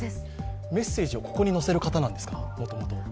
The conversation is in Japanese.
メッセージをここに載せる方なんですか、もともと。